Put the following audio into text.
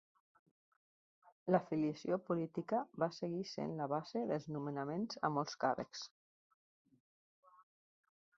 L'afiliació política va seguir sent la base dels nomenaments a molts càrrecs.